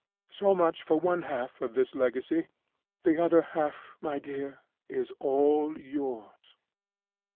So much for one half of this legacy. The other half, my dear, is all yours.